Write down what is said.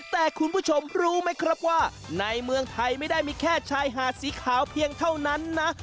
แต่คุณผู้ชมรู้ไหมครับว่าในเมืองไทยไม่ได้มีแค่ชายหาดสีขาวเพียงเท่านั้นนะ